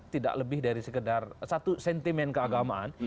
tidak lebih dari sekedar satu sentimen keagamaan